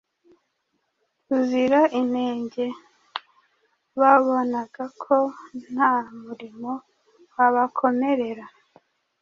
buzira inenge babonaga ko nta murimo wabakomerera